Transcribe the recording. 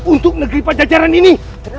untuk negeri pajajaran ini